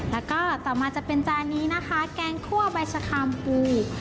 แล้วก็ต่อมาจะเป็นจานนี้นะคะแกงคั่วใบชะคามปู